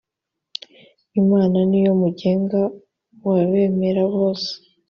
imana niyomugenga wabemera bose.